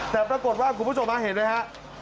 แต่ปรากฏว่าคุณผู้ชมเห็นไหมฮะ